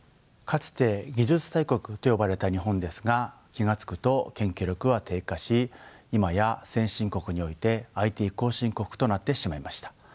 かつて技術大国と呼ばれた日本ですが気が付くと研究力は低下し今や先進国においてＩＴ後進国となってしまいました。